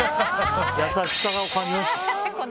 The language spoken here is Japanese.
優しさを感じました。